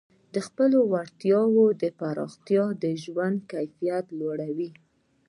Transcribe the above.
د خپلو وړتیاوو پراختیا د ژوند کیفیت لوړوي.